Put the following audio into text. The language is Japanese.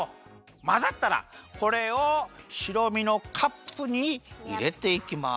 まざったらこれをしろみのカップにいれていきます。